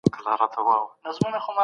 رسنۍ باید په دې اړه خپرونې وکړي.